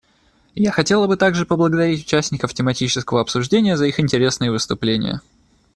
Я хотела бы также поблагодарить участников тематического обсуждения за их интересные выступления.